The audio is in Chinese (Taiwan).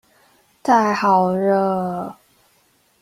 太好惹